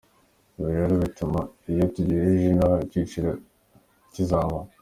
Ibi rero bituma iyo tuyagejeje inaha igiciro kizamuka.